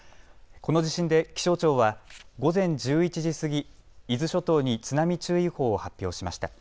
この地震で気象庁は午前１１時過ぎ、伊豆諸島に津波注意報を発表しました。